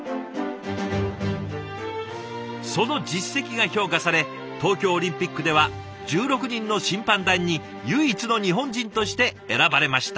その実績が評価され東京オリンピックでは１６人の審判団に唯一の日本人として選ばれました。